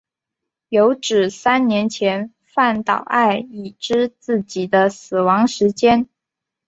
有指三年前饭岛爱已知自己的死亡时间。